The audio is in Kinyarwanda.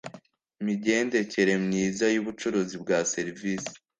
Migendekere myiza y ubucuruzi bwa serivisi